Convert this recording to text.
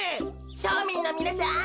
しょみんのみなさん